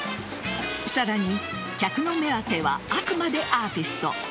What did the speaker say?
さらに客の目当てはあくまでアーティスト。